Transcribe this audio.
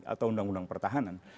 atau undang undang pertahanan